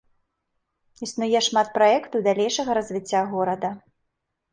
Існуе шмат праектаў далейшага развіцця горада.